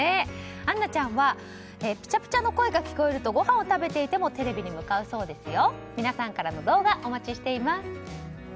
杏奈ちゃんはぴちゃぴちゃの声が聞こえるとごはんを食べていてもテレビに向かうそうですよ。